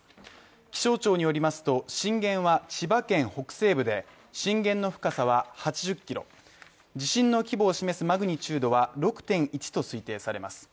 気象庁によりますと震源は千葉県北西部で震源の深さは８０ｋｍ、地震の規模を示すマグニチュードは６．１と推測されます。